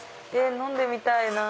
飲んでみたいなぁ！